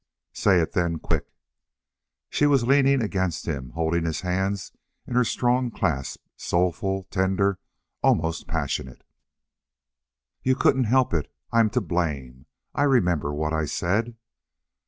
"Say it then quick!" She was leaning against him, holding his hands in her strong clasp, soulful, tender, almost passionate. "You couldn't help it.... I'm to blame.... I remember what I said."